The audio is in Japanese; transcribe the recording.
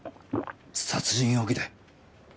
殺人容疑で。